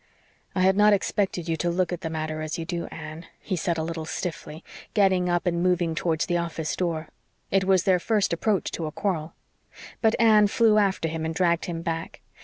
"I had not expected you to look at the matter as you do, Anne," he said a little stiffly, getting up and moving towards the office door. It was their first approach to a quarrel. But Anne flew after him and dragged him back.